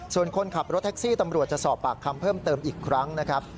ส่วนคนขับรถแท็กซี่ตำรวจจะสอบปากคำเพิ่มเติมอีกครั้งนะครับ